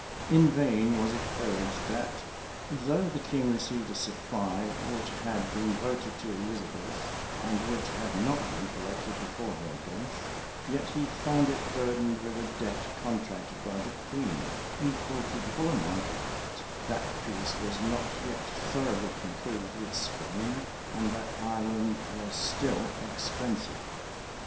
In vain was it urged that, though the king received a supply which had been voted to Elizabeth, and which had not been collected before her death, yet he found it burdened with a debt contracted by the queen, equal to the full amount of it: that peace was not yet thoroughly concluded with Spain, and that Ireland was still expensive.